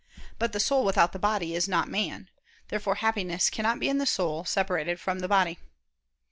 But the soul, without the body, is not man. Therefore Happiness cannot be in the soul separated from the body.